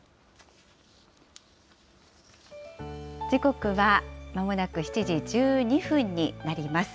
時刻はまもなく７時１２分になります。